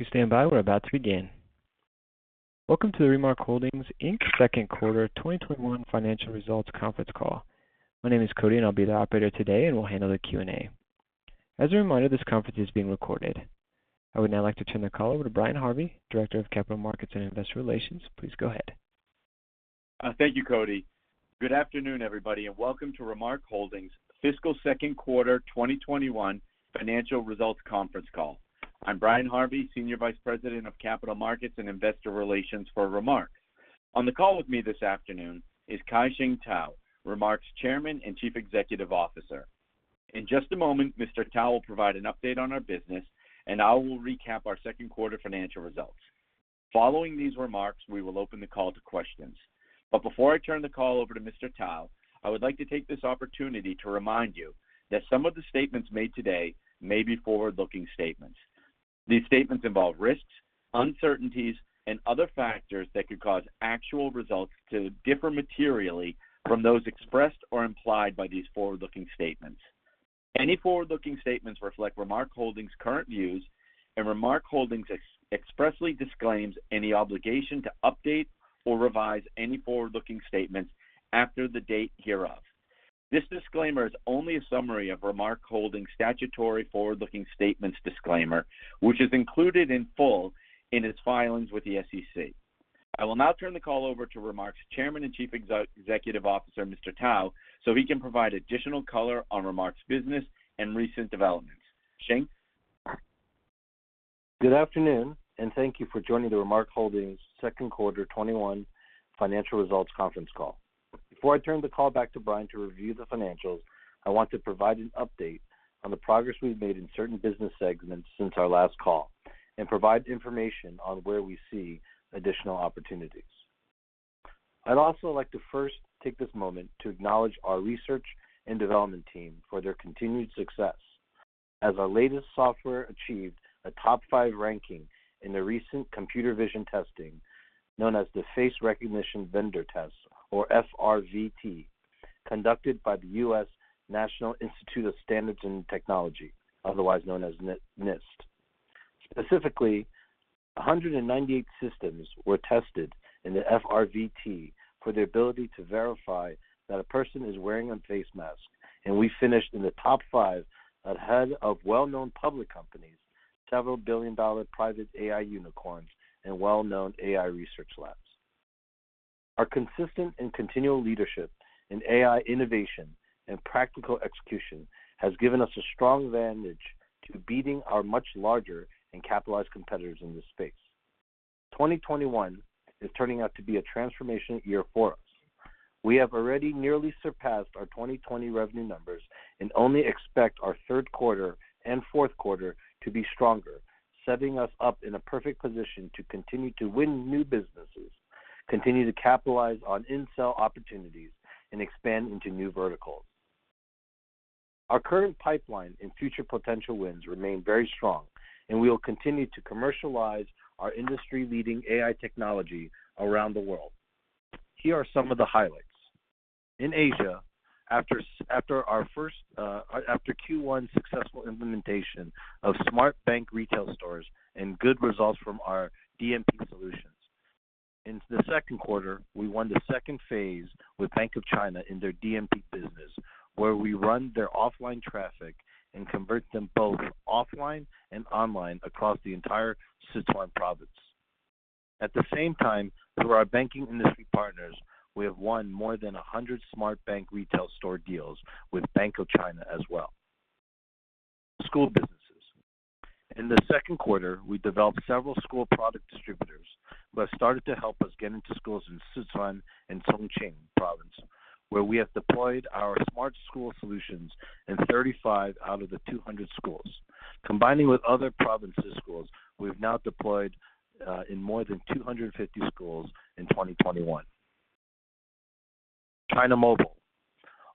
Please stand by. We're about to begin. Welcome to the Remark Holdings, Inc. second quarter 2021 financial results conference call. My name is Cody, and I'll be the operator today and will handle the Q&A. As a reminder, this conference is being recorded. I would now like to turn the call over to Brian Harvey, Director of Capital Markets and Investor Relations. Please go ahead. Thank you, Cody. Good afternoon, everybody. Welcome to Remark Holdings fiscal second quarter 2021 financial results conference call. I'm Brian Harvey, Senior Vice President of Capital Markets and Investor Relations for Remark. On the call with me this afternoon is Kai-Shing Tao, Remark's Chairman and Chief Executive Officer. In just a moment, Mr. Tao will provide an update on our business. I will recap our second quarter financial results. Following these remarks, we will open the call to questions. Before I turn the call over to Mr. Tao, I would like to take this opportunity to remind you that some of the statements made today may be forward-looking statements. These statements involve risks, uncertainties, and other factors that could cause actual results to differ materially from those expressed or implied by these forward-looking statements. Any forward-looking statements reflect Remark Holdings' current views, and Remark Holdings expressly disclaims any obligation to update or revise any forward-looking statements after the date hereof. This disclaimer is only a summary of Remark Holdings' statutory forward-looking statements disclaimer, which is included in full in its filings with the SEC. I will now turn the call over to Remark's Chairman and Chief Executive Officer, Mr. Tao, so he can provide additional color on Remark's business and recent developments. Kai-Shing? Good afternoon. Thank you for joining the Remark Holdings second quarter 2021 financial results conference call. Before I turn the call back to Brian to review the financials, I want to provide an update on the progress we've made in certain business segments since our last call and provide information on where we see additional opportunities. I'd also like to first take this moment to acknowledge our research and development team for their continued success, as our latest software achieved a top five ranking in the recent computer vision testing, known as the Face Recognition Vendor Test, or FRVT, conducted by the U.S. National Institute of Standards and Technology, otherwise known as NIST. Specifically, 198 systems were tested in the FRVT for the ability to verify that a person is wearing a face mask, and we finished in the top five ahead of well-known public companies, several billion-dollar private AI unicorns, and well-known AI research labs. Our consistent and continual leadership in AI innovation and practical execution has given us a strong advantage to beating our much larger and capitalized competitors in this space. 2021 is turning out to be a transformational year for us. We have already nearly surpassed our 2020 revenue numbers and only expect our third quarter and fourth quarter to be stronger, setting us up in a perfect position to continue to win new businesses, continue to capitalize on in-sell opportunities, and expand into new verticals. Our current pipeline and future potential wins remain very strong, and we will continue to commercialize our industry-leading AI technology around the world. Here are some of the highlights. In Asia, after Q1's successful implementation of smart bank retail stores and good results from our DMP solutions. Into the second quarter, we won the second phase with Bank of China in their DMP business, where we run their offline traffic and convert them both offline and online across the entire Sichuan province. At the same time, through our banking industry partners, we have won more than 100 smart bank retail store deals with Bank of China as well. School businesses. In the second quarter, we developed several school product distributors who have started to help us get into schools in Sichuan and Chongqing province, where we have deployed our smart school solutions in 35 out of the 200 schools. Combining with other provinces' schools, we have now deployed in more than 250 schools in 2021. China Mobile.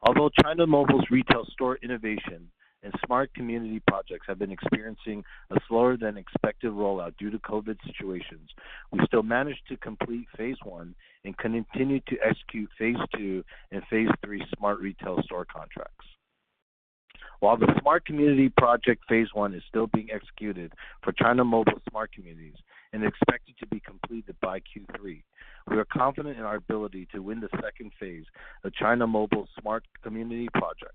Although China Mobile's retail store innovation and smart community projects have been experiencing a slower than expected rollout due to COVID situations, we still managed to complete phase 1 and continue to execute phase 2 and phase 3 smart retail store contracts. While the Smart Community Project phase 1 is still being executed for China Mobile smart communities and expected to be completed by Q3, we are confident in our ability to win the 2nd phase of China Mobile's Smart Community Project.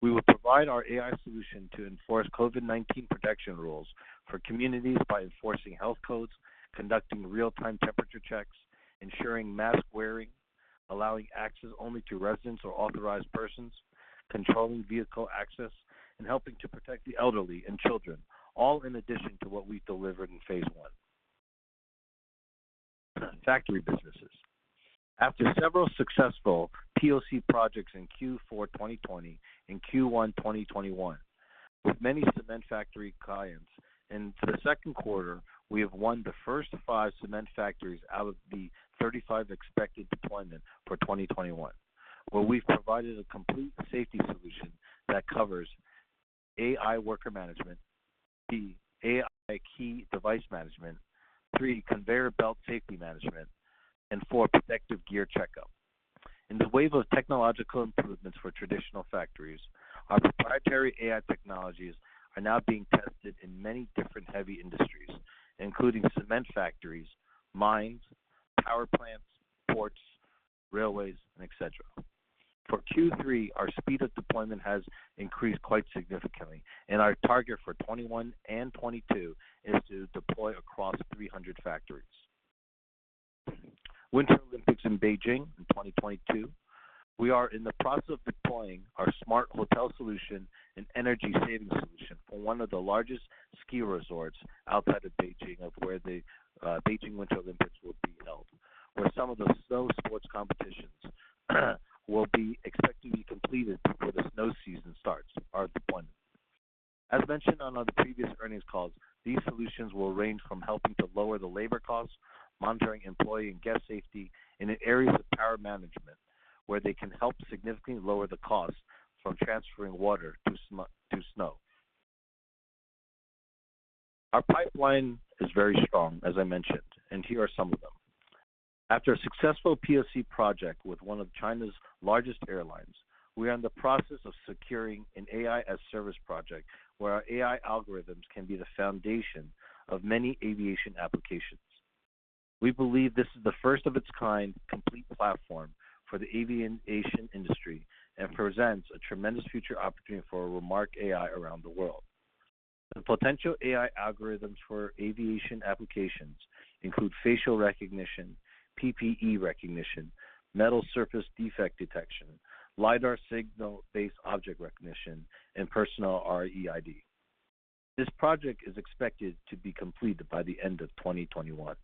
We will provide our AI solution to enforce COVID-19 protection rules for communities by enforcing health codes, conducting real-time temperature checks, ensuring mask-wearing, allowing access only to residents or authorized persons, controlling vehicle access, and helping to protect the elderly and children, all in addition to what we delivered in phase 1. Factory businesses. After several successful POC projects in Q4 2020 and Q1 2021 with many cement factory clients. For the second quarter, we have won the first five cement factories out of the 35 expected deployment for 2021, where we've provided a complete safety solution that covers, AI worker management, AI key device management, three, conveyor belt safety management, and four, protective gear checkup. In the wave of technological improvements for traditional factories, our proprietary AI technologies are now being tested in many different heavy industries, including cement factories, mines, power plants, ports, railways, and et cetera. For Q3, our speed of deployment has increased quite significantly, and our target for 2021 and 2022 is to deploy across 300 factories. Winter Olympics in Beijing in 2022. We are in the process of deploying our smart hotel solution and energy saving solution for one of the largest ski resorts outside of Beijing, of where the Beijing Winter Olympics will be held, where some of the snow sports competitions will be expected to be completed before the snow season starts our deployment. As mentioned on our previous earnings calls, these solutions will range from helping to lower the labor costs, monitoring employee and guest safety, and in areas of power management, where they can help significantly lower the cost from transferring water to snow. Our pipeline is very strong, as I mentioned, and here are some of them. After a successful POC project with one of China's largest airlines, we are in the process of securing an AI as service project where our AI algorithms can be the foundation of many aviation applications. We believe this is the first of its kind complete platform for the aviation industry and presents a tremendous future opportunity for Remark AI around the world. The potential AI algorithms for aviation applications include facial recognition, PPE recognition, metal surface defect detection, Lidar signal-based object recognition, and personal ReID. This project is expected to be completed by the end of 2021.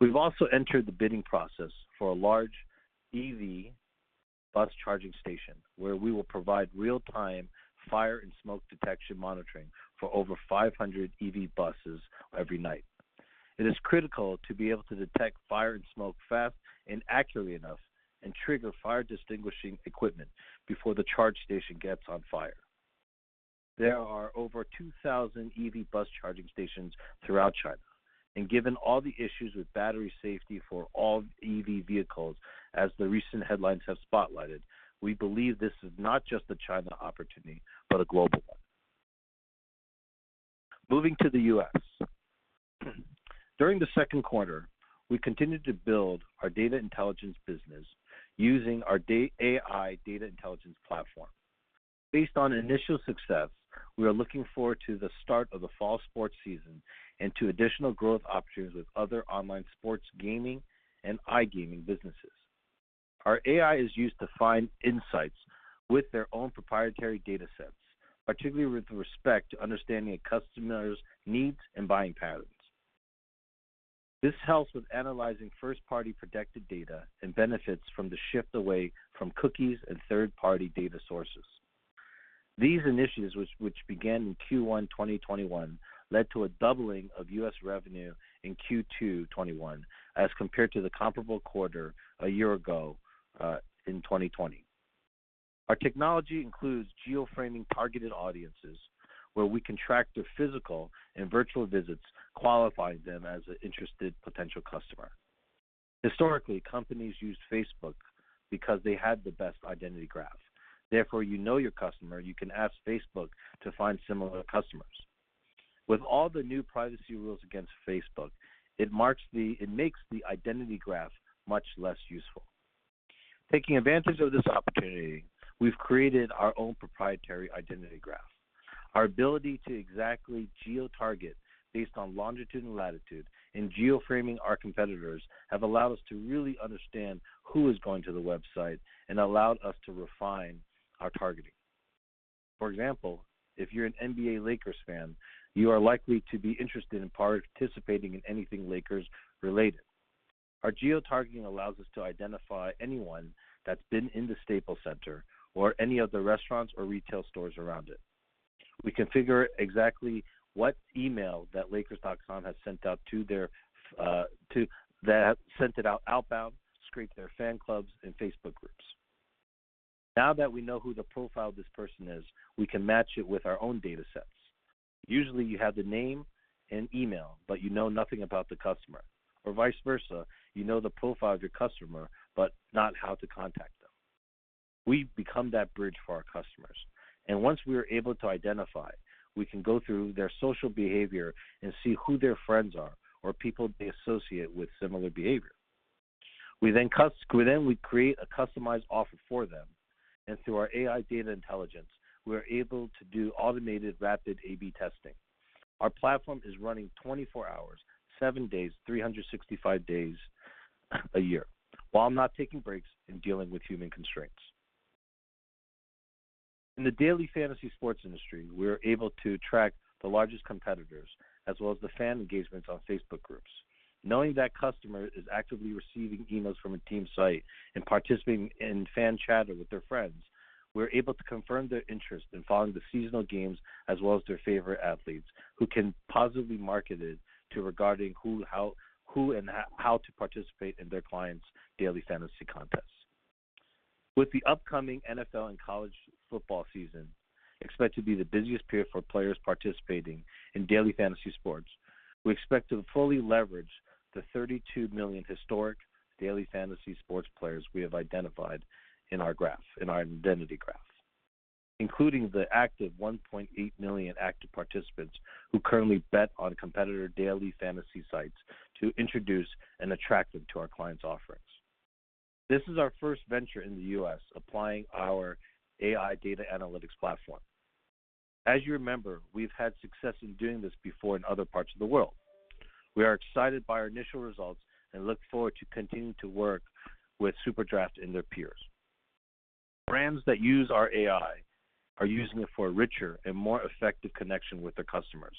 We've also entered the bidding process for a large EV bus charging station, where we will provide real-time fire and smoke detection monitoring for over 500 EV buses every night. It is critical to be able to detect fire and smoke fast and accurately enough and trigger fire distinguishing equipment before the charge station gets on fire. There are over 2,000 EV bus charging stations throughout China, given all the issues with battery safety for all EV vehicles, as the recent headlines have spotlighted, we believe this is not just a China opportunity, but a global one. Moving to the U.S. During the second quarter, we continued to build our data intelligence business using our AI data intelligence platform. Based on initial success, we are looking forward to the start of the fall sports season and to additional growth opportunities with other online sports gaming and iGaming businesses. Our AI is used to find insights with their own proprietary datasets, particularly with respect to understanding a customer's needs and buying patterns. This helps with analyzing first-party protected data and benefits from the shift away from cookies and third-party data sources. These initiatives, which began in Q1 2021, led to a doubling of U.S. revenue in Q2 2021 as compared to the comparable quarter a year ago, in 2020. Our technology includes geo-framing targeted audiences, where we can track their physical and virtual visits, qualifying them as an interested potential customer. Historically, companies used Facebook because they had the best identity graph. You know your customer, you can ask Facebook to find similar customers. With all the new privacy rules against Facebook, it makes the identity graph much less useful. Taking advantage of this opportunity, we've created our own proprietary identity graph. Our ability to exactly geo-target based on longitude and latitude and geo-framing our competitors have allowed us to really understand who is going to the website and allowed us to refine our targeting. For example, if you're an NBA Lakers fan, you are likely to be interested in participating in anything Lakers related. Our geo-targeting allows us to identify anyone that's been in the Staples Center or any of the restaurants or retail stores around it. We can figure exactly what email that lakers.com has sent out outbound, scrape their fan clubs and Facebook groups. Now that we know who the profile of this person is, we can match it with our own datasets. Usually, you have the name and email, but you know nothing about the customer, or vice versa, you know the profile of your customer, but not how to contact them. We become that bridge for our customers, and once we are able to identify, we can go through their social behavior and see who their friends are or people they associate with similar behavior. We create a customized offer for them, and through our AI data intelligence, we are able to do automated rapid A/B testing. Our platform is running 24 hours, 7 days, 365 days a year, while not taking breaks and dealing with human constraints. In the daily fantasy sports industry, we are able to track the largest competitors as well as the fan engagements on Facebook groups. Knowing that customer is actively receiving emails from a team site and participating in fan chatter with their friends, we are able to confirm their interest in following the seasonal games as well as their favorite athletes, who can positively market it regarding who and how to participate in their client's daily fantasy contests. With the upcoming NFL and college football season expected to be the busiest period for players participating in daily fantasy sports, we expect to fully leverage the 32 million historic daily fantasy sports players we have identified in our identity graph, including the active 1.8 million active participants who currently bet on competitor daily fantasy sites to introduce and attract them to our client's offerings. This is our first venture in the U.S. applying our AI data analytics platform. As you remember, we've had success in doing this before in other parts of the world. We are excited by our initial results and look forward to continuing to work with SuperDraft and their peers. Brands that use our AI are using it for a richer and more effective connection with their customers.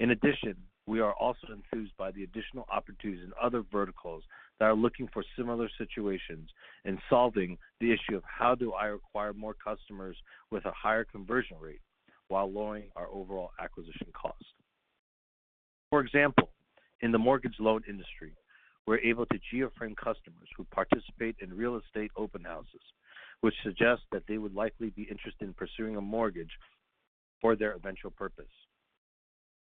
In addition, we are also enthused by the additional opportunities in other verticals that are looking for similar situations in solving the issue of how do I acquire more customers with a higher conversion rate while lowering our overall acquisition cost. For example, in the mortgage loan industry, we're able to geo-fence customers who participate in real estate open houses, which suggests that they would likely be interested in pursuing a mortgage for their eventual purpose.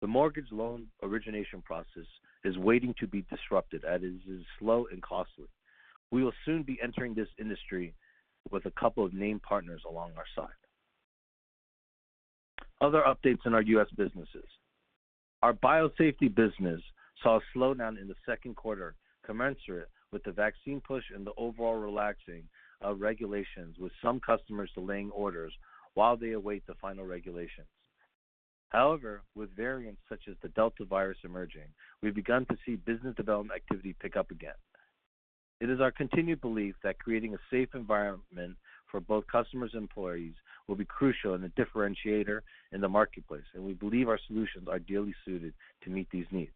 The mortgage loan origination process is waiting to be disrupted as it is slow and costly. We will soon be entering this industry with a couple of named partners along our side. Other updates in our U.S. businesses. Our biosafety business saw a slowdown in the second quarter commensurate with the vaccine push and the overall relaxing of regulations, with some customers delaying orders while they await the final regulations. However, with variants such as the Delta emerging, we've begun to see business development activity pick up again. It is our continued belief that creating a safe environment for both customers and employees will be crucial and a differentiator in the marketplace, and we believe our solutions are ideally suited to meet these needs.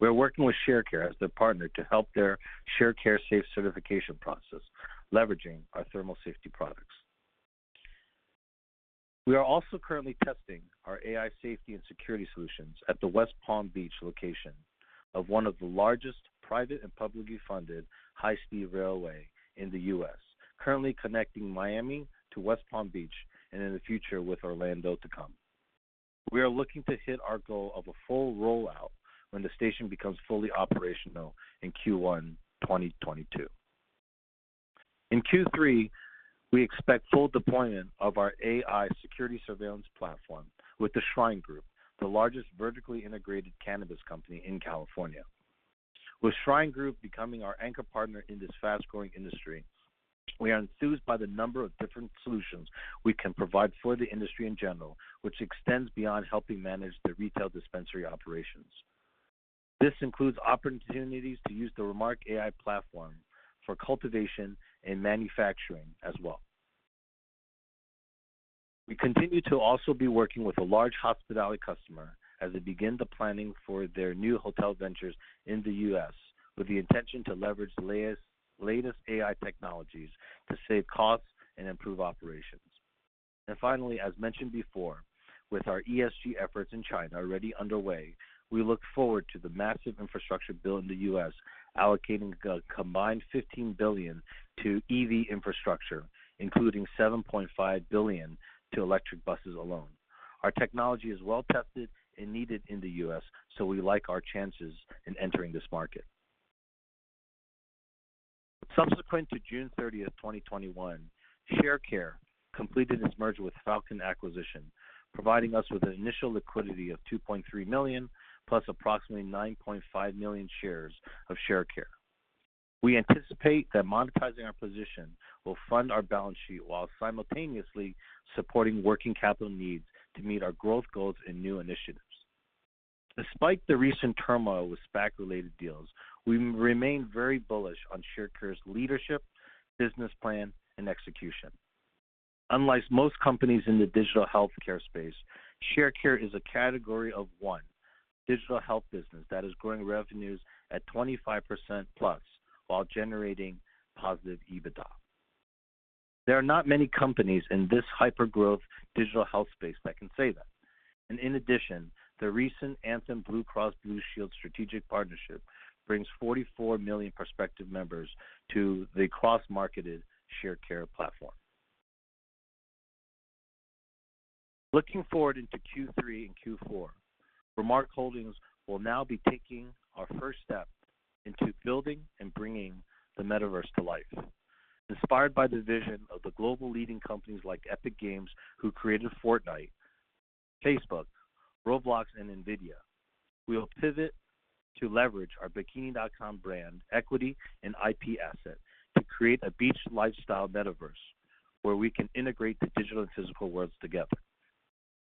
We are working with Sharecare as their partner to help their Sharecare safe certification process, leveraging our thermal safety products. We are also currently testing our AI safety and security solutions at the West Palm Beach location of one of the largest private and publicly funded high-speed railway in the U.S., currently connecting Miami to West Palm Beach, and in the future with Orlando to come. We are looking to hit our goal of a full rollout when the station becomes fully operational in Q1 2022. In Q3, we expect full deployment of our Remark AI security surveillance platform with the Shryne Group, the largest vertically integrated cannabis company in California. With Shryne Group becoming our anchor partner in this fast-growing industry, we are enthused by the number of different solutions we can provide for the industry in general, which extends beyond helping manage their retail dispensary operations. This includes opportunities to use the Remark AI platform for cultivation and manufacturing as well. We continue to also be working with a large hospitality customer as they begin the planning for their new hotel ventures in the U.S. with the intention to leverage the latest AI technologies to save costs and improve operations. Finally, as mentioned before, with our ESG efforts in China already underway, we look forward to the massive infrastructure bill in the U.S. allocating a combined $15 billion to EV infrastructure, including $7.5 billion to electric buses alone. Our technology is well-tested and needed in the U.S., we like our chances in entering this market. Subsequent to June 30th, 2021, Sharecare completed its merger with Falcon Acquisition, providing us with an initial liquidity of $2.3 million, plus approximately $9.5 million shares of Sharecare. We anticipate that monetizing our position will fund our balance sheet while simultaneously supporting working capital needs to meet our growth goals and new initiatives. Despite the recent turmoil with SPAC-related deals, we remain very bullish on Sharecare's leadership, business plan, and execution. Unlike most companies in the digital healthcare space, Sharecare is a category of one digital health business that is growing revenues at 25%+ while generating positive EBITDA. There are not many companies in this hyper-growth digital health space that can say that. In addition, the recent Anthem Blue Cross Blue Shield strategic partnership brings 44 million prospective members to the cross-marketed Sharecare platform. Looking forward into Q3 and Q4, Remark Holdings will now be taking our first step into building and bringing the Metaverse to life. Inspired by the vision of the global leading companies like Epic Games, who created Fortnite, Facebook, Roblox, and Nvidia, we will pivot to leverage our Bikini.com brand equity and IP asset to create a beach lifestyle Metaverse where we can integrate the digital and physical worlds together.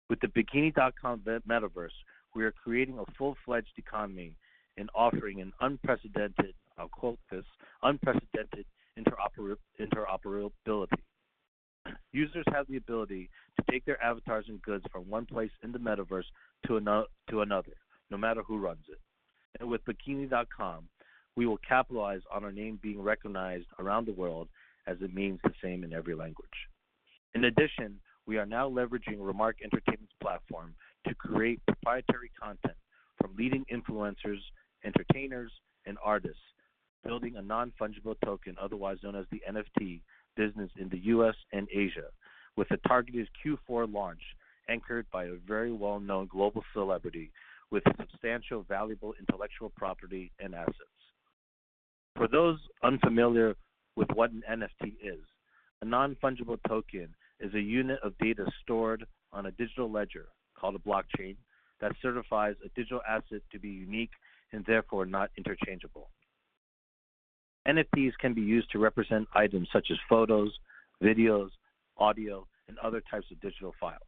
With the Bikini.com Metaverse, we are creating a full-fledged economy and offering an unprecedented, I'll quote this, "unprecedented interoperability." Users have the ability to take their avatars and goods from one place in the Metaverse to another, no matter who runs it. With Bikini.com, we will capitalize on our name being recognized around the world as it means the same in every language. In addition, we are now leveraging Remark Entertainment's platform to create proprietary content from leading influencers, entertainers, and artists, building a non-fungible token, otherwise known as the NFT, business in the U.S. and Asia with a targeted Q4 launch anchored by a very well-known global celebrity with substantial valuable intellectual property and assets. For those unfamiliar with what an NFT is, a non-fungible token is a unit of data stored on a digital ledger, called a blockchain, that certifies a digital asset to be unique and therefore not interchangeable. NFTs can be used to represent items such as photos, videos, audio, and other types of digital files.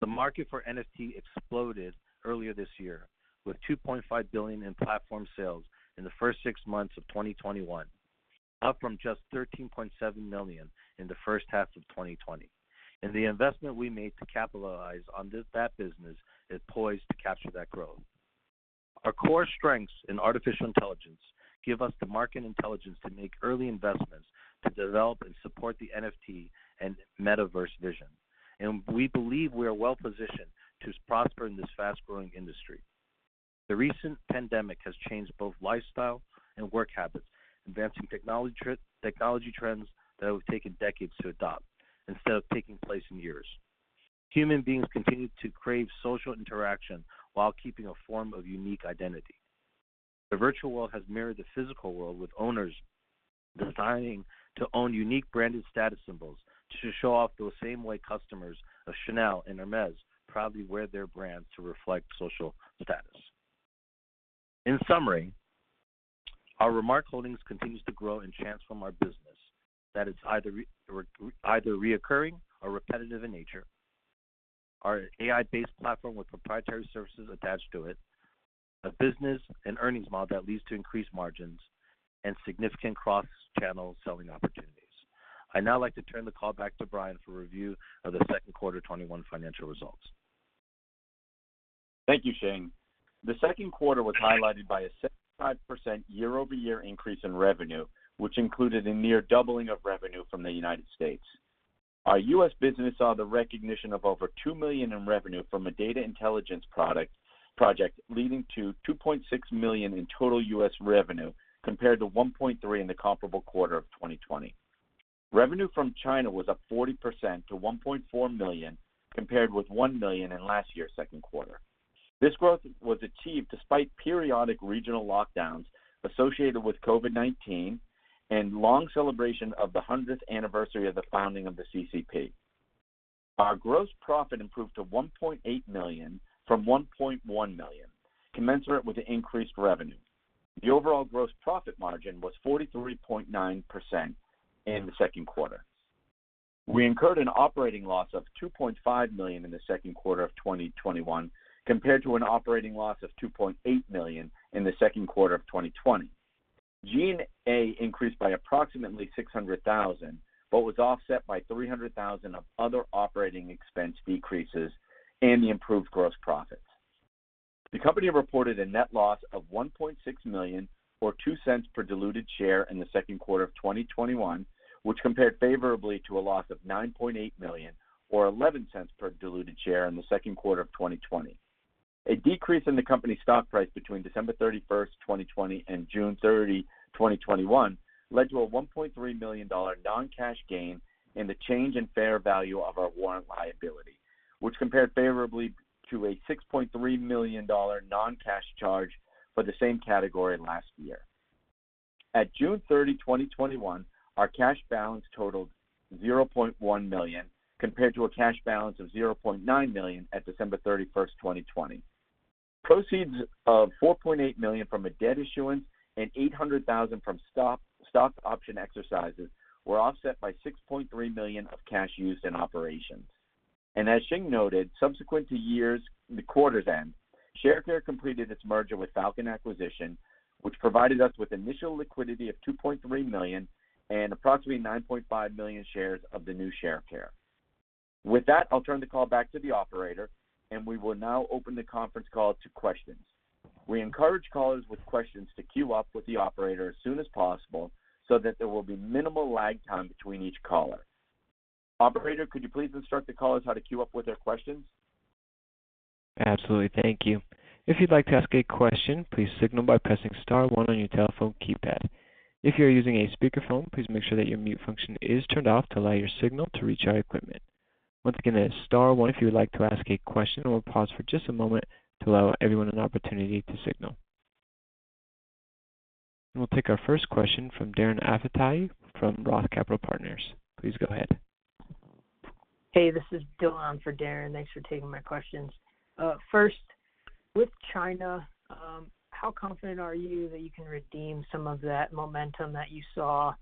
The market for NFT exploded earlier this year with $2.5 billion in platform sales in the first six months of 2021, up from just $13.7 million in the first half of 2020. The investment we made to capitalize on that business is poised to capture that growth. Our core strengths in artificial intelligence give us the market intelligence to make early investments to develop and support the NFT and Metaverse vision. We believe we are well-positioned to prosper in this fast-growing industry. The recent pandemic has changed both lifestyle and work habits, advancing technology trends that have taken decades to adopt instead of taking place in years. Human beings continue to crave social interaction while keeping a form of unique identity. The virtual world has mirrored the physical world, with owners desiring to own unique branded status symbols to show off the same way customers of Chanel and Hermès proudly wear their brands to reflect social status. In summary, our Remark Holdings continues to grow and transform our business that is either reoccurring or repetitive in nature. Our AI-based platform with proprietary services attached to it, a business and earnings model that leads to increased margins, and significant cross-channel selling opportunities. I'd now like to turn the call back to Brian for review of the second quarter 2021 financial results. Thank you, Kai-Shing. The second quarter was highlighted by a 75% year-over-year increase in revenue, which included a near doubling of revenue from the U.S. Our U.S. business saw the recognition of over $2 million in revenue from a data intelligence project, leading to $2.6 million in total U.S. revenue compared to $1.3 in the comparable quarter of 2020. Revenue from China was up 40% to $1.4 million, compared with $1 million in last year's second quarter. This growth was achieved despite periodic regional lockdowns associated with COVID-19 and long celebration of the 100th anniversary of the founding of the CCP. Our gross profit improved to $1.8 million from $1.1 million, commensurate with the increased revenue. The overall gross profit margin was 43.9% in the second quarter. We incurred an operating loss of $2.5 million in the second quarter of 2021 compared to an operating loss of $2.8 million in the second quarter of 2020. G&A increased by approximately $600,000, but was offset by $300,000 of other operating expense decreases and the improved gross profits. The company reported a net loss of $1.6 million, or $0.02 per diluted share in the second quarter of 2021, which compared favorably to a loss of $9.8 million, or $0.11 per diluted share in the second quarter of 2020. A decrease in the company's stock price between December 31, 2020 and June 30, 2021, led to a $1.3 million non-cash gain in the change in fair value of our warrant liability, which compared favorably to a $6.3 million non-cash charge for the same category last year. At June 30, 2021, our cash balance totaled $0.1 million compared to a cash balance of $0.9 million at December 31st, 2020. Proceeds of $4.8 million from a debt issuance and $800,000 from stock option exercises were offset by $6.3 million of cash used in operations. As Shing noted, subsequent to years, the quarter then, Sharecare completed its merger with Falcon Acquisition, which provided us with initial liquidity of $2.3 million and approximately $9.5 million shares of the new Sharecare. With that, I'll turn the call back to the operator, and we will now open the conference call to questions. We encourage callers with questions to queue up with the operator as soon as possible so that there will be minimal lag time between each caller. Operator, could you please instruct the callers how to queue up with their questions? Absolutely. Thank you. If you'd like to ask a question, please signal by pressing star one on your telephone keypad. If you're using a speakerphone, please make sure that your mute function is turned off to allow your signal to reach our equipment. Once again, that is star one if you would like to ask a question. We'll pause for just a moment to allow everyone an opportunity to signal. We'll take our first question from Darren Aftahi from Roth Capital Partners. Please go ahead. Hey, this is Dylan for Darren. Thanks for taking my questions. First, with China, how confident are you that you can redeem some of that momentum that you saw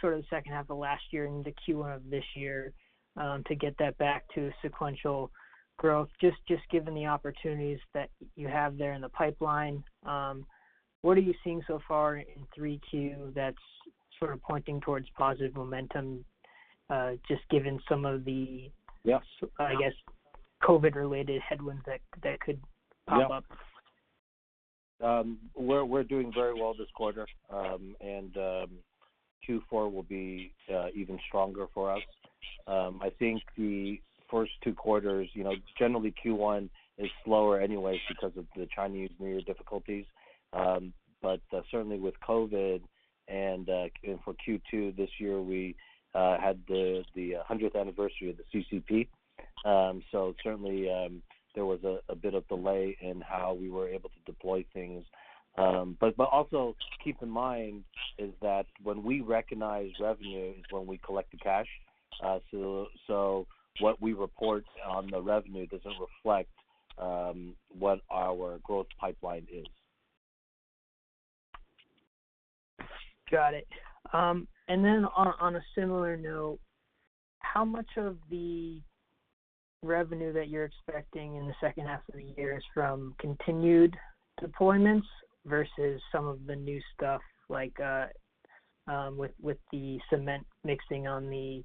sort of the second half of last year into Q1 of this year to get that back to sequential growth? Just given the opportunities that you have there in the pipeline, what are you seeing so far in 3Q that's sort of pointing towards positive momentum? Yes I guess, COVID-related headwinds that could pop up? We're doing very well this quarter, and Q4 will be even stronger for us. I think the first two quarters, generally Q1 is slower anyway because of the Chinese New Year difficulties. Certainly with COVID and for Q2 this year, we had the 100th anniversary of the CCP. Certainly, there was a bit of delay in how we were able to deploy things. Also keep in mind, is that when we recognize revenue is when we collect the cash. What we report on the revenue doesn't reflect what our growth pipeline is. Got it. On a similar note, how much of the revenue that you're expecting in the second half of the year is from continued deployments versus some of the new stuff like with the cement mixing on the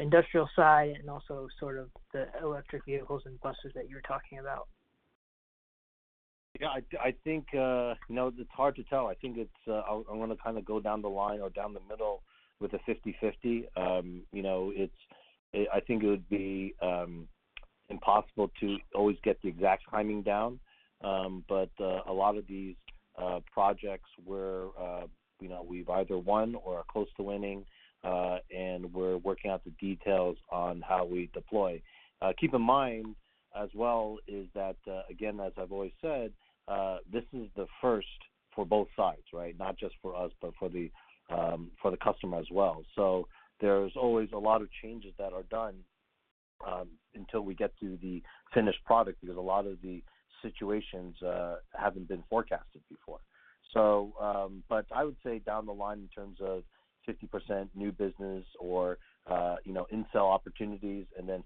industrial side and also sort of the electric vehicles and buses that you were talking about? Yeah, I think it's hard to tell. I think I want to kind of go down the line or down the middle with a 50/50. I think it would be impossible to always get the exact timing down. A lot of these projects where we've either won or are close to winning, and we're working out the details on how we deploy. Keep in mind as well is that, again, as I've always said, this is the first for both sides, right? Not just for us, but for the customer as well. There's always a lot of changes that are done until we get to the finished product, because a lot of the situations haven't been forecasted before. I would say down the line, in terms of 50% new business or in sell opportunities, then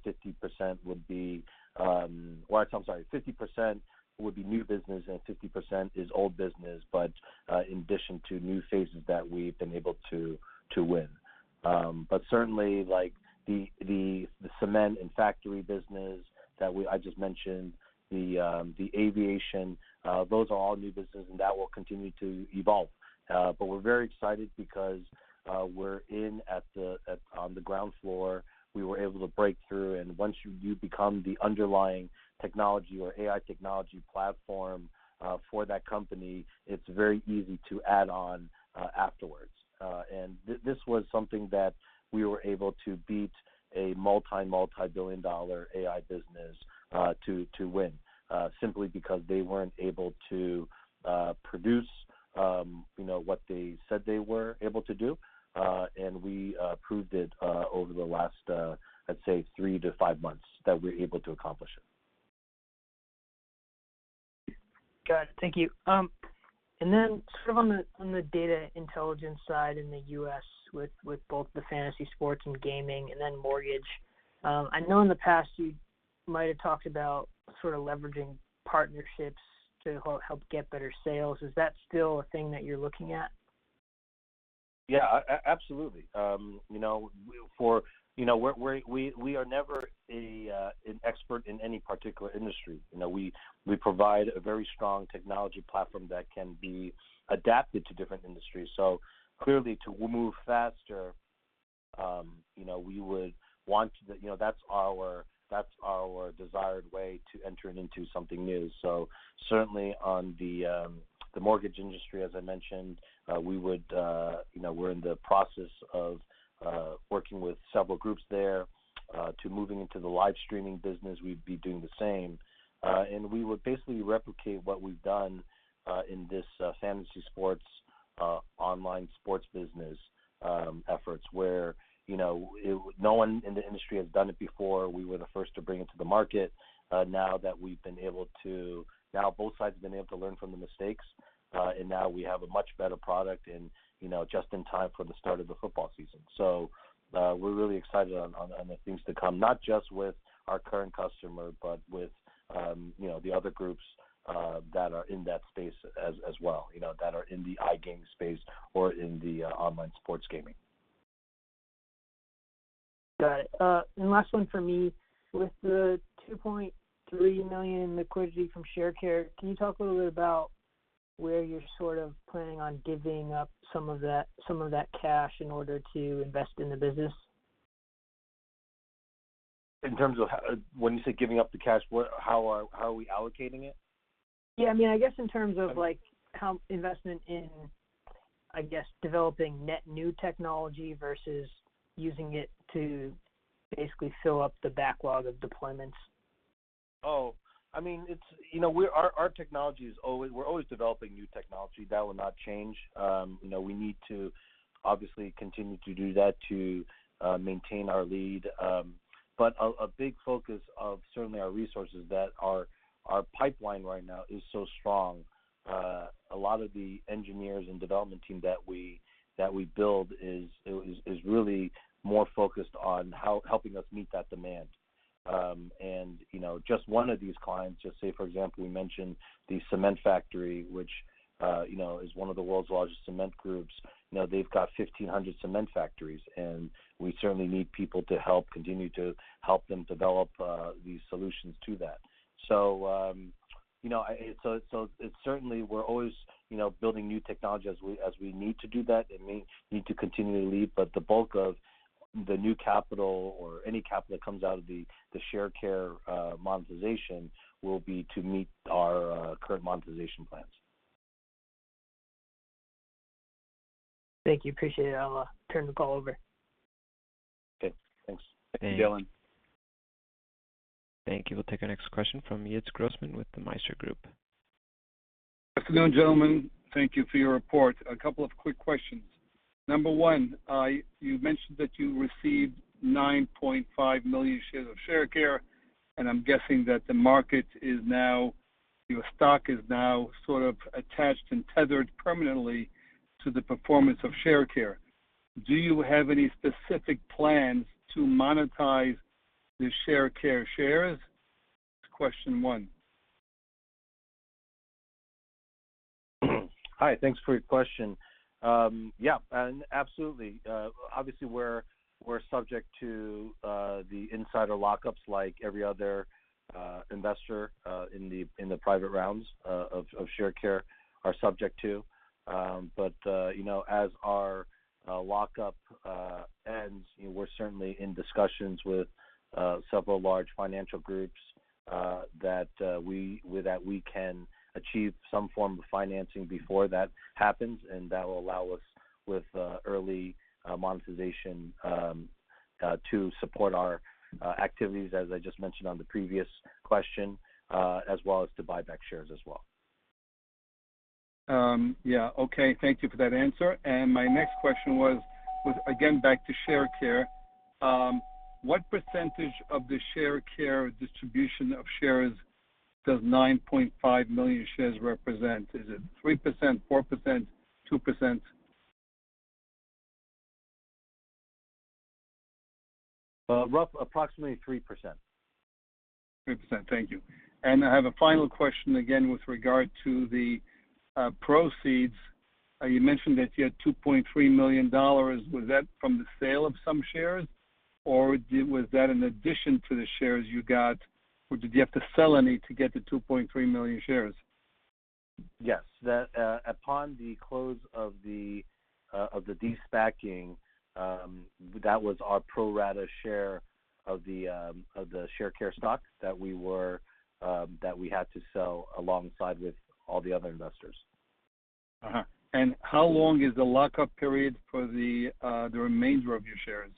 50% would be new business and 50% is old business, in addition to new phases that we've been able to win. Certainly, the cement and factory business that I just mentioned, the aviation, those are all new business and that will continue to evolve. We're very excited because we're in on the ground floor. We were able to break through, once you become the underlying technology or AI technology platform for that company, it's very easy to add on afterwards. This was something that we were able to beat a multi-billion dollar AI business to win, simply because they weren't able to produce what they said they were able to do. We proved it over the last, I'd say, three to five months that we were able to accomplish it. Got it. Thank you. Sort of on the data intelligence side in the U.S. with both the fantasy sports and gaming and then mortgage. I know in the past you might have talked about sort of leveraging partnerships to help get better sales. Is that still a thing that you're looking at? Yeah, absolutely. We are never an expert in any particular industry. We provide a very strong technology platform that can be adapted to different industries. Clearly, to move faster, that's our desired way to enter into something new. Certainly on the mortgage industry, as I mentioned, we're in the process of working with several groups there. To moving into the live streaming business, we'd be doing the same. We would basically replicate what we've done in this fantasy sports, online sports business efforts where no one in the industry has done it before. We were the first to bring it to the market. Both sides have been able to learn from the mistakes, and now we have a much better product, and just in time for the start of the football season. We're really excited on the things to come, not just with our current customer, but with the other groups that are in that space as well, that are in the iGaming space or in the online sports gaming. Got it. Last one from me. With the $2.3 million in liquidity from Sharecare, can you talk a little bit about where you're sort of planning on giving up some of that cash in order to invest in the business? When you say giving up the cash, how are we allocating it? Yeah, I guess in terms of like investment in, I guess, developing net new technology versus using it to basically fill up the backlog of deployments. We're always developing new technology. That will not change. We need to obviously continue to do that to maintain our lead. A big focus of certainly our resources that our pipeline right now is so strong. A lot of the engineers and development team that we build is really more focused on helping us meet that demand. Just one of these clients, just say, for example, you mentioned the cement factory, which is one of the world's largest cement groups. They've got 1,500 cement factories, and we certainly need people to help continue to help them develop these solutions to that. Certainly we're always building new technology as we need to do that, and may need to continually, but the bulk of the new capital or any capital that comes out of the Sharecare monetization will be to meet our current monetization plans. Thank you. Appreciate it. I'll turn the call over. Okay, thanks. Thank you Dylan. Thank you. We'll take our next question from Yitz Grossman with The Meister Group. Afternoon, gentlemen. Thank you for your report. A couple of quick questions. Number one, you mentioned that you received 9.5 million shares of Sharecare, and I'm guessing that your stock is now sort of attached and tethered permanently to the performance of Sharecare. Do you have any specific plans to monetize the Sharecare shares? That's question 1. Hi, thanks for your question. Yeah, absolutely. Obviously, we're subject to the insider lock-ups like every other investor in the private realms of Sharecare are subject to. As our lock-up ends, we're certainly in discussions with several large financial groups that we can achieve some form of financing before that happens, and that will allow us with early monetization to support our activities, as I just mentioned on the previous question, as well as to buy back shares as well. Yeah. Okay, thank you for that answer. My next question was, again, back to Sharecare. What percentage of the Sharecare distribution of shares does 9.5 million shares represent? Is it 3%, 4%, 2%? Rough, approximately 3%. 3%, thank you. I have a final question, again, with regard to the proceeds. You mentioned that you had $2.3 million. Was that from the sale of some shares, or was that in addition to the shares you got, or did you have to sell any to get to 2.3 million shares? Yes. Upon the close of the de-SPACing, that was our pro rata share of the Sharecare stock that we had to sell alongside with all the other investors. How long is the lock-up period for the remainder of your shares?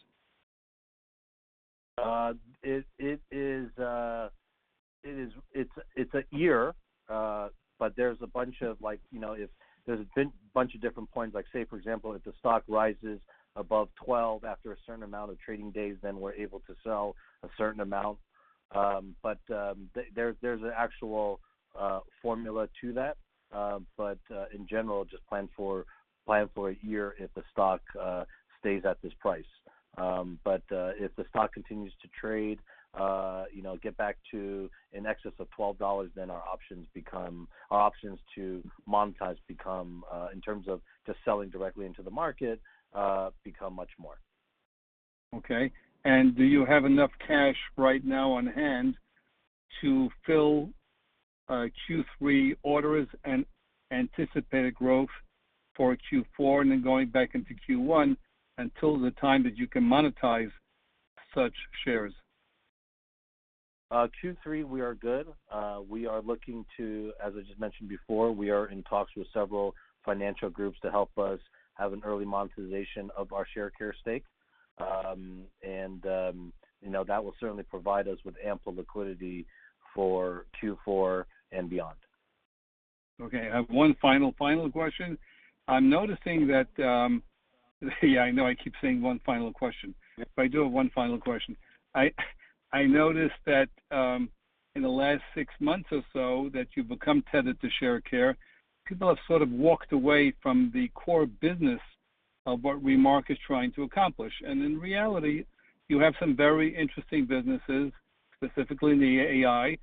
It's a year, but there's a bunch of different points, say, for example, if the stock rises above 12 after a certain amount of trading days, then we're able to sell a certain amount. There's an actual formula to that. In general, just plan for a year if the stock stays at this price. If the stock continues to trade, get back to in excess of $12, then our options to monetize, in terms of just selling directly into the market, become much more. Okay. Do you have enough cash right now on hand to fill Q3 orders and anticipated growth for Q4, and then going back into Q1 until the time that you can monetize such shares? Q3, we are good. We are looking to, as I just mentioned before, we are in talks with several financial groups to help us have an early monetization of our Sharecare stake. That will certainly provide us with ample liquidity for Q4 and beyond. Okay. I have one final question. I'm noticing that Yeah, I know I keep saying one final question. Yeah. I do have one final question. I noticed that in the last six months or so that you've become tethered to Sharecare, people have sort of walked away from the core business of what Remark is trying to accomplish. In reality, you have some very interesting businesses, specifically in the AI,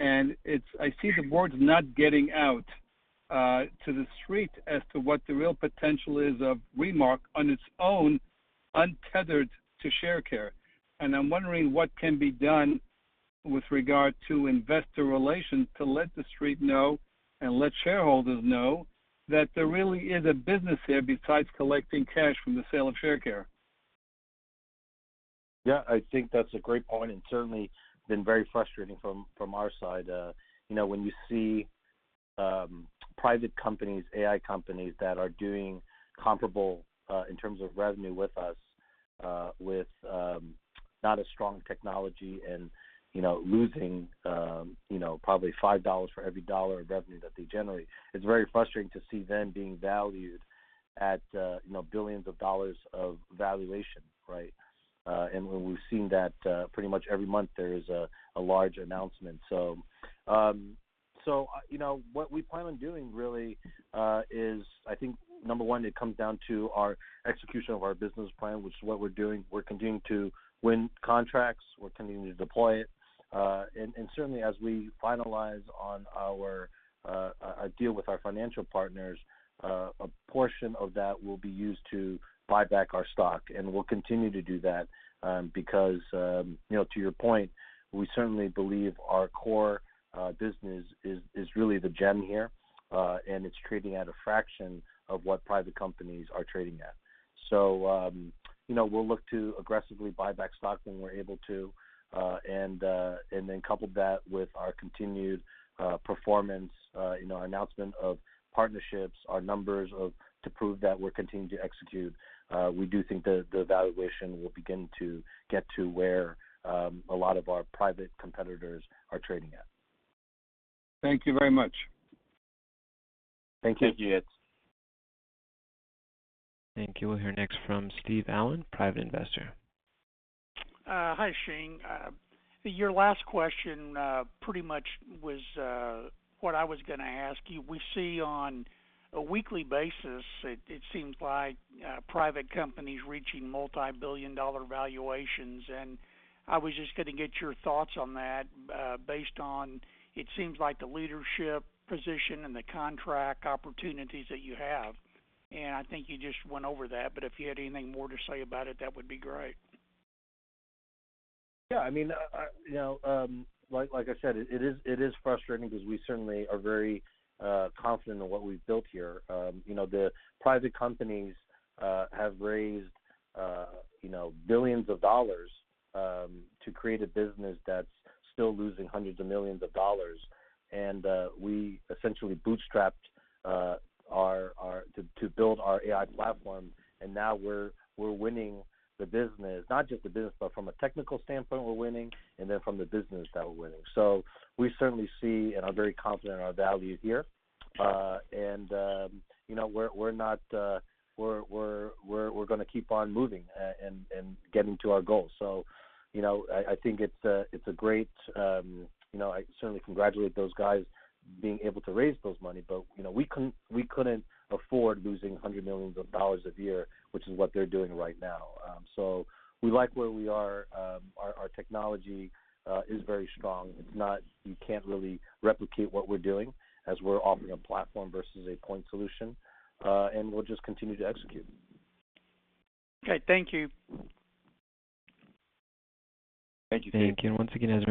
and I see the words not getting out to The Street as to what the real potential is of Remark on its own, untethered to Sharecare. I'm wondering what can be done with regard to investor relations to let The Street know and let shareholders know that there really is a business here besides collecting cash from the sale of Sharecare. I think that's a great point, certainly been very frustrating from our side. When you see private companies, AI companies, that are doing comparable in terms of revenue with us, with not as strong technology and losing probably $5 for every dollar of revenue that they generate, it's very frustrating to see them being valued at billions of dollars of valuation, right? When we've seen that pretty much every month there is a large announcement. What we plan on doing really is, I think number one, it comes down to our execution of our business plan, which is what we're doing. We're continuing to win contracts, we're continuing to deploy it. Certainly as we finalize on our deal with our financial partners, a portion of that will be used to buy back our stock. We'll continue to do that because, to your point, we certainly believe our core business is really the gem here, and it's trading at a fraction of what private companies are trading at. We'll look to aggressively buy back stock when we're able to, and then couple that with our continued performance, our announcement of partnerships, our numbers to prove that we're continuing to execute. We do think the valuation will begin to get to where a lot of our private competitors are trading at. Thank you very much. Thank you, Yitz. Thank you. We'll hear next from Steve Allen, private investor. Hi, Kai-Shing. Your last question pretty much was what I was going to ask you. We see on a weekly basis, it seems like private companies reaching multi-billion dollar valuations, and I was just going to get your thoughts on that based on, it seems like the leadership position and the contract opportunities that you have. I think you just went over that, but if you had anything more to say about it, that would be great. Like I said, it is frustrating because we certainly are very confident in what we've built here. The private companies have raised $ billions to create a business that's still losing $ hundreds of millions. We essentially bootstrapped to build our AI platform, and now we're winning the business. Not just the business, but from a technical standpoint, we're winning, and then from the business that we're winning. We certainly see and are very confident in our value here. We're going to keep on moving and getting to our goals. I certainly congratulate those guys being able to raise those money, but we couldn't afford losing $ hundreds of millions a year, which is what they're doing right now. We like where we are. Our technology is very strong. You can't really replicate what we're doing, as we're offering a platform versus a point solution. We'll just continue to execute. Okay. Thank you. Thank you. Thank you. Once again, as a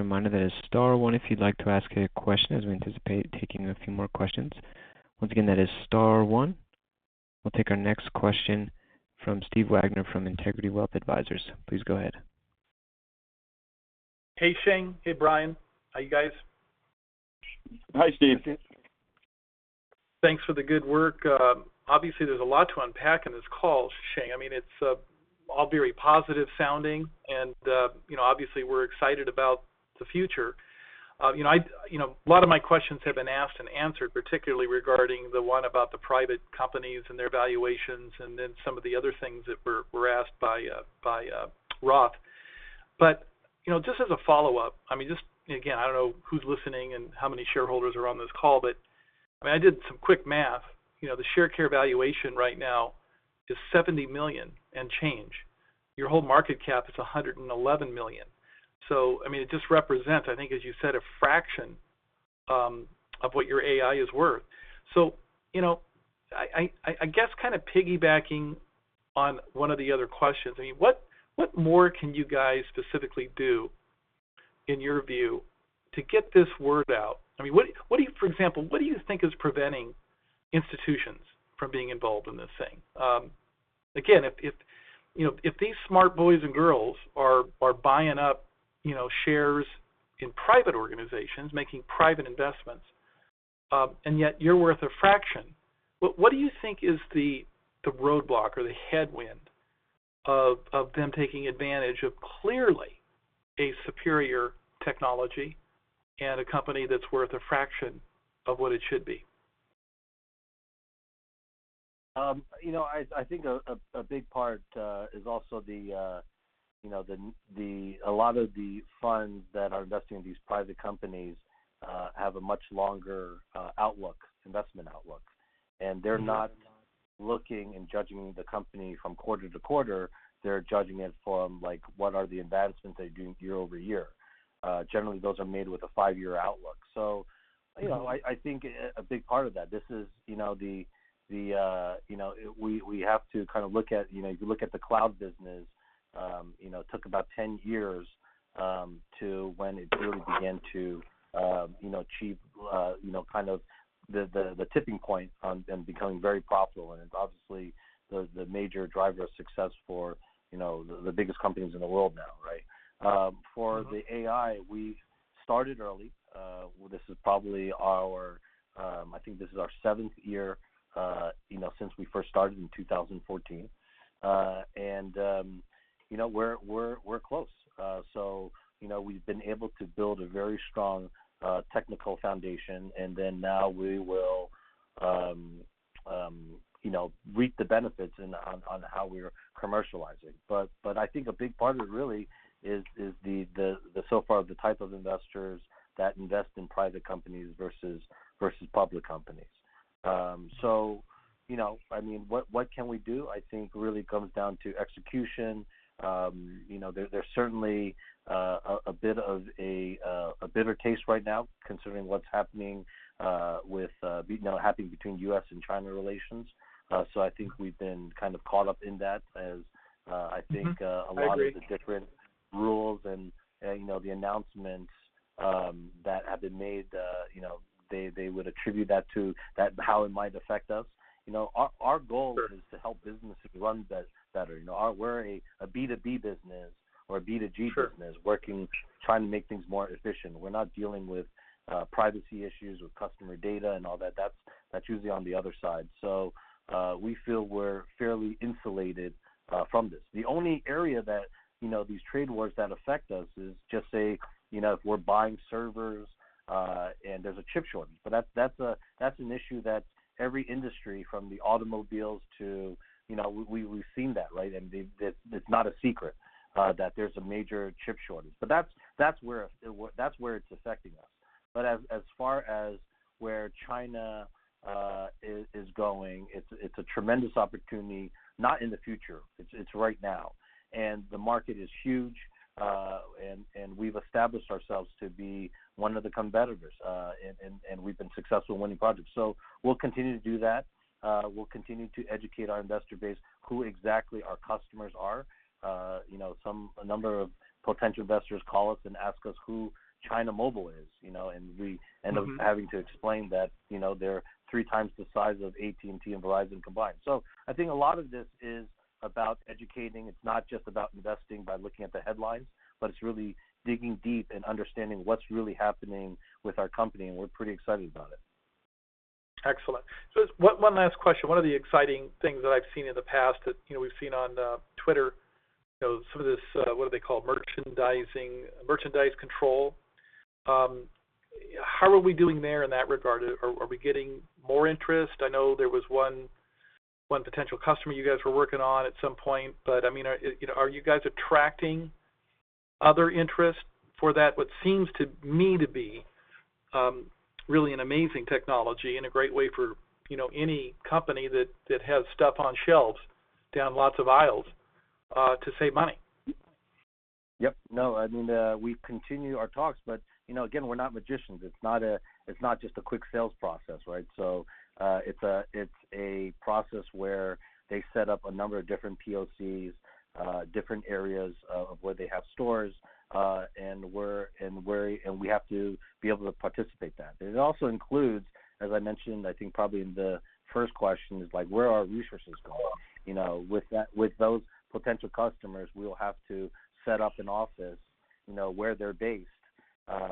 reminder, that is star one if you'd like to ask a question, as we anticipate taking a few more questions. Once again, that is star one. We'll take our next question from Stephen Wagner from Integrity Wealth Advisors. Please go ahead. Hey, Kai-Shing. Hey, Brian. How are you guys? Hi, Steve. Thanks for the good work. There's a lot to unpack in this call, Shane. It's all very positive sounding and obviously we're excited about the future. A lot of my questions have been asked and answered, particularly regarding the one about the private companies and their valuations, some of the other things that were raised by Roth. Just as a follow-up, just again, I don't know who's listening and how many shareholders are on this call, I did some quick math. The Sharecare valuation right now is $70 million and change. Your whole market cap is $111 million. It just represents, I think as you said, a fraction of what your AI is worth. I guess piggybacking on one of the other questions, what more can you guys specifically do, in your view, to get this word out? For example, what do you think is preventing institutions from being involved in this thing? Again, if these smart boys and girls are buying up shares in private organizations, making private investments, and yet you're worth a fraction, what do you think is the roadblock or the headwind of them taking advantage of clearly a superior technology and a company that's worth a fraction of what it should be? I think a big part is also a lot of the funds that are investing in these private companies have a much longer investment outlook. They're not looking and judging the company from quarter to quarter. They're judging it from, what are the advancements they're doing year-over-year? Generally, those are made with a five-year outlook. I think a big part of that. If you look at the cloud business, it took about 10 years to when it really began to achieve kind of the tipping point and becoming very profitable. It's obviously the major driver of success for the biggest companies in the world now, right? For the AI, we started early. I think this is our seventh year since we first started in 2014. We're close. We've been able to build a very strong technical foundation, now we will reap the benefits on how we're commercializing. I think a big part of it really is so far the type of investors that invest in private companies versus public companies. What can we do? I think really it comes down to execution. There's certainly a bitter taste right now considering what's happening between U.S. and China relations. I think we've been kind of caught up in that. Mm-hmm. I agree. A lot of the different rules and the announcements that have been made, they would attribute that to how it might affect us. Sure Is to help businesses run better. We're a B2B business or a B2G business. Sure Working, trying to make things more efficient. We're not dealing with privacy issues with customer data and all that. That's usually on the other side. We feel we're fairly insulated from this. The only area that these trade wars that affect us is just say, if we're buying servers, and there's a chip shortage. That's an issue that every industry, from the automobiles to We've seen that, right? It's not a secret that there's a major chip shortage. That's where it's affecting us. As far as where China is going, it's a tremendous opportunity, not in the future, it's right now. The market is huge, and we've established ourselves to be one of the competitors, and we've been successful in winning projects. We'll continue to do that. We'll continue to educate our investor base, who exactly our customers are. A number of potential investors call us and ask us who China Mobile is. Having to explain that they're three times the size of AT&T and Verizon combined. I think a lot of this is about educating. It's not just about investing by looking at the headlines, but it's really digging deep and understanding what's really happening with our company, and we're pretty excited about it. Excellent. One last question. One of the exciting things that I've seen in the past that we've seen on Twitter, some of this, what do they call, merchandise control. How are we doing there in that regard? Are we getting more interest? I know there was one potential customer you guys were working on at some point, but are you guys attracting other interest for that? What seems to me to be really an amazing technology and a great way for any company that has stuff on shelves down lots of aisles, to save money. Yep. No, we've continued our talks, but again, we're not magicians. It's not just a quick sales process, right? It's a process where they set up a number of different POCs, different areas of where they have stores, and we have to be able to participate that. It also includes, as I mentioned, I think probably in the first question, is where are our resources going? With those potential customers, we will have to set up an office where they're based,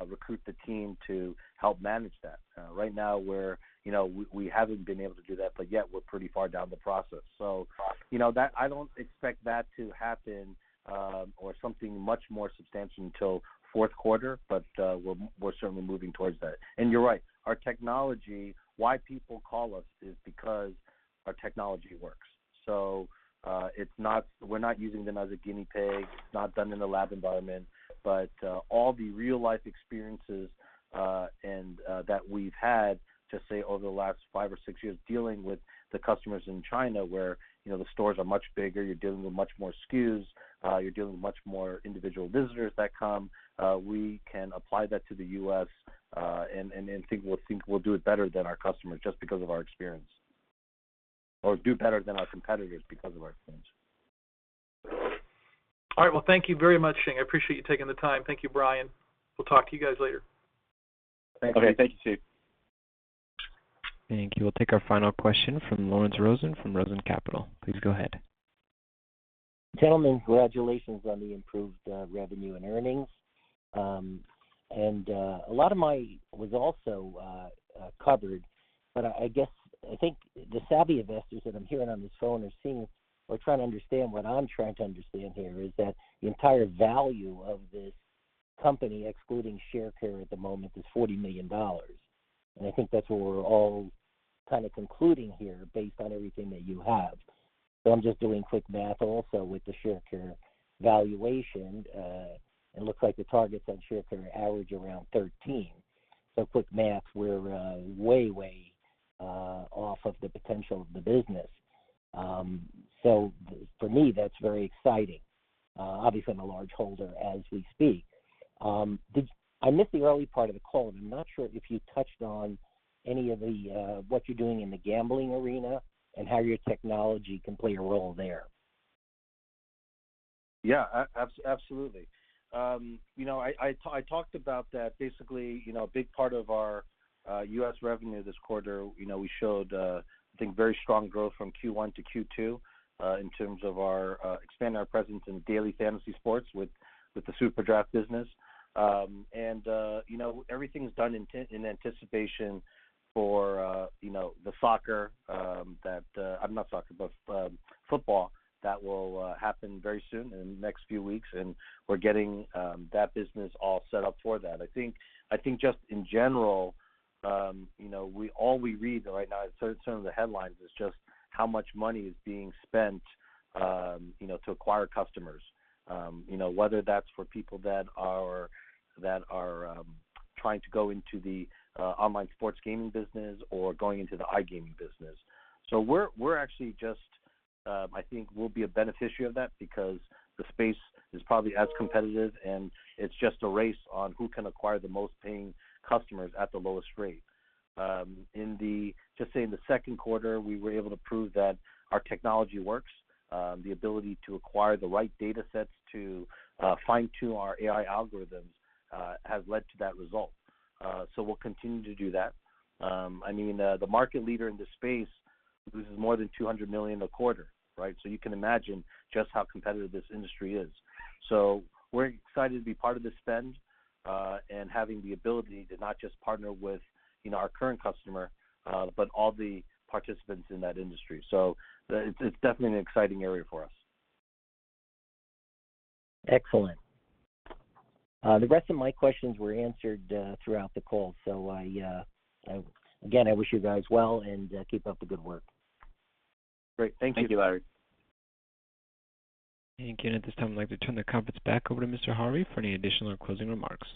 recruit the team to help manage that. Right now, we haven't been able to do that, but yet we're pretty far down the process. I don't expect that to happen, or something much more substantial until fourth quarter. We're certainly moving towards that. You're right. Our technology, why people call us is because our technology works. We're not using them as a guinea pig, it's not done in a lab environment. All the real-life experiences that we've had, to say over the last five or six years dealing with the customers in China where the stores are much bigger, you're dealing with much more SKUs, you're dealing with much more individual visitors that come. We can apply that to the U.S., and I think we'll do it better than our customers just because of our experience. Do better than our competitors because of our experience. All right. Well, thank you very much, Xing. I appreciate you taking the time. Thank you, Brian. We'll talk to you guys later. Thank you. Okay. Thank you, Steve. Thank you. We'll take our final question from Lawrence Rosen from Rosen Capital. Please go ahead. Gentlemen, congratulations on the improved revenue and earnings. A lot of my was also covered, but I guess, I think the savvy investors that I'm hearing on this phone are seeing or trying to understand what I'm trying to understand here, is that the entire value of this company, excluding Sharecare at the moment, is $40 million. I think that's what we're all kind of concluding here based on everything that you have. I'm just doing quick math also with the Sharecare valuation. It looks like the targets on Sharecare average around $13. Quick math, we're way off of the potential of the business. For me, that's very exciting. Obviously, I'm a large holder as we speak. I missed the early part of the call, and I'm not sure if you touched on what you're doing in the gambling arena and how your technology can play a role there. Yeah. Absolutely. I talked about that. A big part of our U.S. revenue this quarter, we showed, I think, very strong growth from Q1 to Q2, in terms of expanding our presence in daily fantasy sports with the SuperDraft business. Everything's done in anticipation for the football that will happen very soon, in the next few weeks, and we're getting that business all set up for that. I think just in general. All we read right now, some of the headlines is just how much money is being spent to acquire customers. Whether that's for people that are trying to go into the online sports gaming business or going into the iGaming business. We're actually just, I think we'll be a beneficiary of that because the space is probably as competitive, and it's just a race on who can acquire the most paying customers at the lowest rate. Just say in the second quarter, we were able to prove that our technology works. The ability to acquire the right data sets to fine-tune our AI algorithms has led to that result. We'll continue to do that. The market leader in this space loses more than $200 million a quarter, right? You can imagine just how competitive this industry is. We're excited to be part of this spend, and having the ability to not just partner with our current customer, but all the participants in that industry. It's definitely an exciting area for us. Excellent. The rest of my questions were answered throughout the call. Again, I wish you guys well, and keep up the good work. Great. Thank you. Thank you, Larry. Again, at this time, I'd like to turn the conference back over to Mr. Harvey for any additional or closing remarks.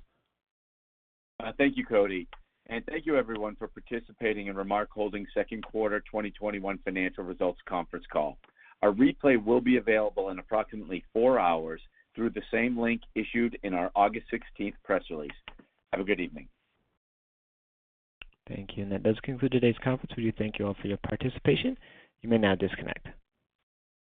Thank you, Cody. Thank you everyone for participating in Remark Holdings' second quarter 2021 financial results conference call. A replay will be available in approximately four hours through the same link issued in our August 16th press release. Have a good evening. Thank you. That does conclude today's conference. We thank you all for your participation. You may now disconnect.